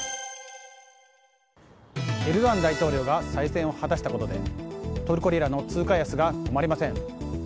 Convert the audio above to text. エルドアン大統領が再選を果たしたことでトルコリラの通貨安が止まりません。